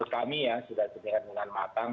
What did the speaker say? kami ya sudah sedang menganmatang